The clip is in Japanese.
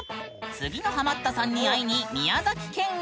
次のハマったさんに会いに宮崎県へ！